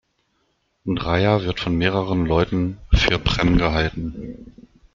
Und Raja wird von mehreren Leuten für Prem gehalten.